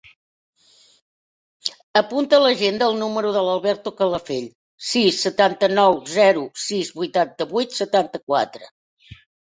Apunta a l'agenda el número de l'Alberto Calafell: sis, setanta-nou, zero, sis, vuitanta-vuit, setanta-quatre.